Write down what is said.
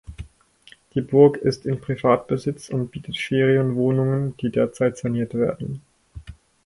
Die Burg ist in Privatbesitz und bietet Ferienwohnungen, die derzeit saniert werden.